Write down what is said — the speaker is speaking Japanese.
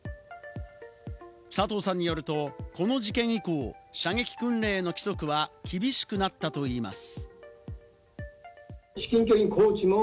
佐藤さんによるとこの事件以降、射撃訓練への規則は厳しくなったといいます。